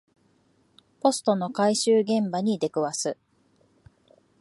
ポストの回収現場に出くわす